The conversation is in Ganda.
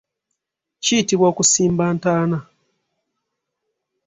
Kiyitibwa okusimba ntaana.